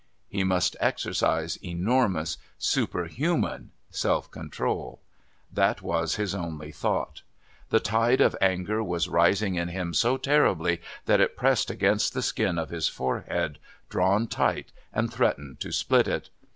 He must exercise enormous, superhuman, self control. That was his only thought. The tide of anger was rising in him so terribly that it pressed against the skin of his forehead, drawn tight, and threatened to split it.